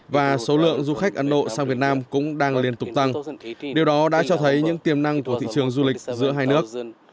và số lượng du khách ấn độ sang việt nam cũng đang liên tục tăng điều đó đã cho thấy những tiềm năng của thị trường du lịch giữa hai nước